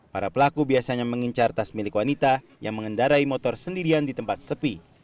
para pelaku biasanya mengincar tas milik wanita yang mengendarai motor sendirian di tempat sepi